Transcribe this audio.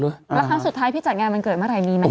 แล้วครั้งสุดท้ายพี่จัดงานวันเกิดเมื่อไหร่มีไหมค